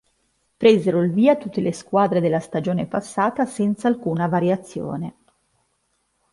Presero il via tutte le squadre della stagione passata senza alcuna variazione.